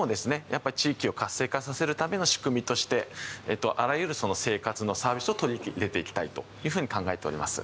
やっぱり地域を活性化させるための仕組みとしてあらゆる生活のサービスを取り入れていきたいというふうに考えております。